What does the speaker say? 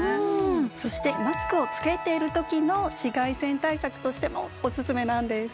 そしてマスクをつけている時の紫外線対策としてもおすすめなんです。